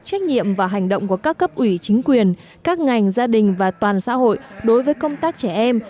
trách nhiệm và hành động của các cấp ủy chính quyền các ngành gia đình và toàn xã hội đối với công tác trẻ em